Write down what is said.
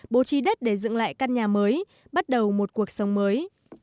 bố trí đất để dựng lại căn nhà mới bắt đầu một cuộc sống mới